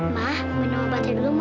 ma minum obatnya dulu ma